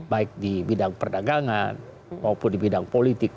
baik di bidang perdagangan maupun di bidang politik